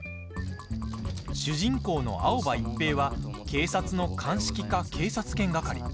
主人公の青葉一平は警察の鑑識課警察犬係。